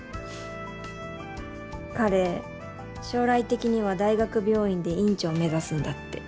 彼将来的には大学病院で院長目指すんだって。